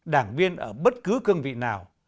đảng viên ở bất cứ cương vị nào